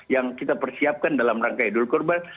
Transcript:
yang kita persiapkan dalam rangka idul kurban